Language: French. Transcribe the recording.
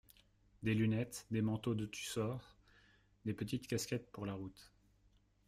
Des lunettes, des manteaux de tussor, des petites casquettes pour la route.